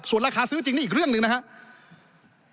ส่วนราคาซื้อจริงนี่อีกเรื่องหนึ่งนะครับ